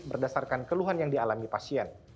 berdasarkan keluhan yang dialami pasien